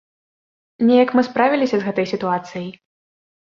Неяк мы справіліся з гэтай сітуацыяй!